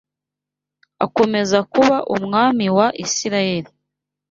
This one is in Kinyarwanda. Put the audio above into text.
akomeza kuba umwami wa Isirayeli